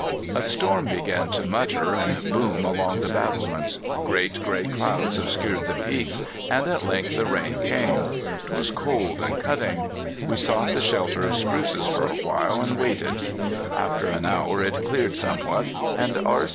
A storm began to mutter and boom along the battlements. Great gray clouds obscured the peaks, and at length the rain came. It was cold and cutting. We sought the shelter of spruces for a while, and waited. After an hour it cleared somewhat, and R.